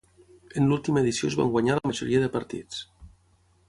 En l'última edició es van guanyar la majoria de partits.